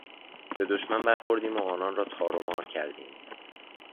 به دشمن برخوردیم و آنان را تار و مار کردیم!